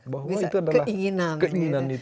bahwa itu adalah keinginan